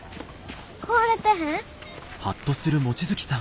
壊れてへん？